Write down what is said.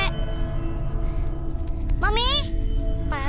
kok gak ada siapa siapa disini